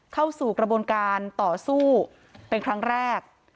เข้าสู่กระบวนการต่อสู้เป็นครั้งแรก